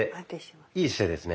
いい姿勢ですね。